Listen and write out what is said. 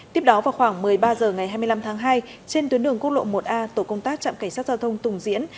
tiếp đó vào khoảng một mươi ba h ngày hai mươi năm tháng hai trên tuyến đường quốc lộ một a tổ công tác trạm cảnh sát giao thông tùng diễn